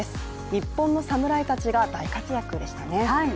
日本の侍たちが大活躍でしたね。